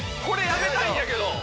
これやめたいんやけど！